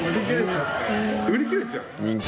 売り切れちゃう？